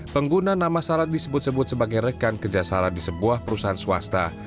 pengguna nama syarat disebut sebut sebagai rekan kerjasama di sebuah perusahaan swasta